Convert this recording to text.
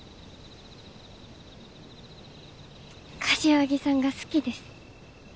柏木さんが好きです。